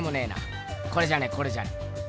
これじゃねえこれじゃねえ。